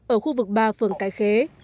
ở khu vực ba phường cái khế